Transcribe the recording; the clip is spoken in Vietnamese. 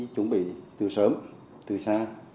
chuẩn bị từ sớm từ xa